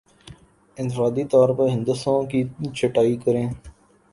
انفرادی طور پر ہندسوں کی چھٹائی کریں